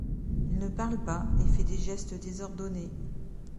Il ne parle pas et fait des gestes désordonnés.